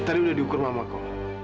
tadi udah diukur mama ko